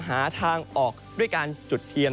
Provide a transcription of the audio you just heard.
หาทางออกด้วยการจุดเทียน